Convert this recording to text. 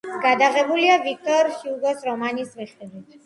გადაღებულია ვიქტორ ჰიუგოს რომანის მიხედვით.